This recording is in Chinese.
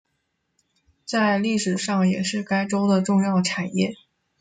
在历史上也是该州的重要产业。